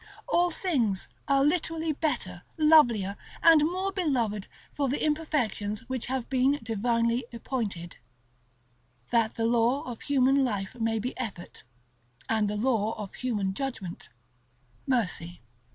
All things are literally better, lovelier, and more beloved for the imperfections which have been divinely appointed, that the law of human life may be Effort, and the law of human judgment, Mercy.